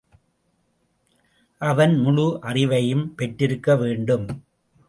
அவன் முழு அறிவையும் பெற்றிருக்க வேண்டும்.